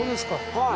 はい。